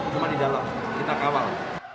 cuma di dalam kita kawal